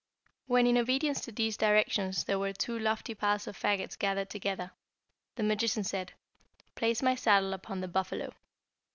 "When, in obedience to these directions, there were two lofty piles of fagots gathered together, the magician said, 'Place my saddle upon the buffalo.'